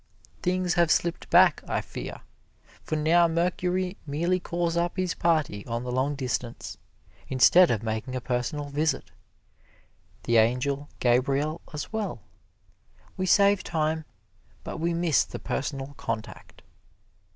Things have slipped back, I fear me, for now Mercury merely calls up his party on the long distance, instead of making a personal visit the Angel Gabriel as well. We save time, but we miss the personal contact.